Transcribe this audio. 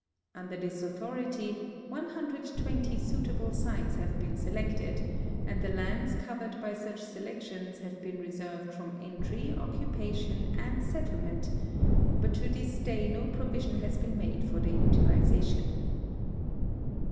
Under this authority 120 suitable sites have been selected, and the lands covered by such selections have been reserved from entry, occupation, and settlement, but to this day no provision has been made for their utilization.